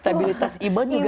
stabilitas iman juga